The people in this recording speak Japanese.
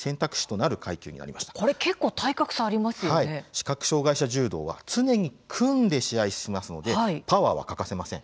視覚障害者柔道は常に組んで試合をするためパワーは欠かせません。